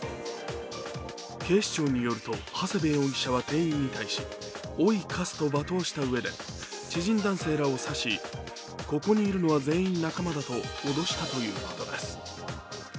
警視庁によると、ハセベ容疑者は店員に対し「おい、カス」と罵倒したうえで知人男性らを指し「ここにいるのは全員仲間だ」と脅したということです。